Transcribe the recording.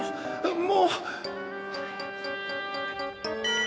もう！